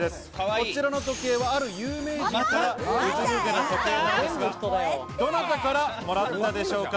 こちらの時計は、ある有名人から譲り受けた時計なんですが、どなたからもらったでしょうか？